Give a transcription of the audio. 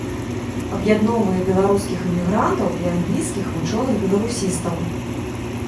Аб'ядноўвае беларускіх эмігрантаў і англійскіх вучоных-беларусістаў.